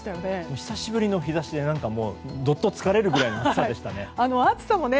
久しぶりの日差しでどっと疲れるくらいの暑さでしたね。